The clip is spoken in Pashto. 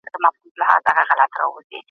د توليداتو کلنۍ سلنه څومره ده؟